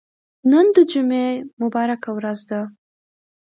نن د جمعه مبارکه ورځ ده.